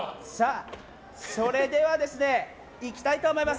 それでは、いきたいと思います。